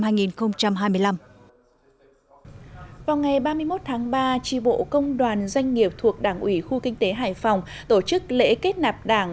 vào ngày ba mươi một tháng ba tri bộ công đoàn doanh nghiệp thuộc đảng ủy khu kinh tế hải phòng tổ chức lễ kết nạp đảng